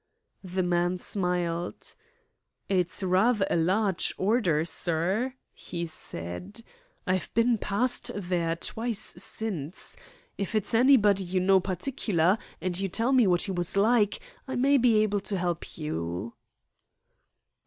The man smiled. "It's rather a large order, sir," he said. "I've been past there twice since. If it's anybody you know particular, and you tell me what he was like, I may be able to help you."